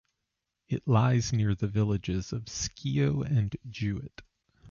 It lies near the villages of Scio and Jewett.